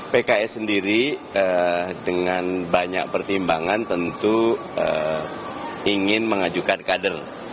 pks sendiri dengan banyak pertimbangan tentu ingin mengajukan kader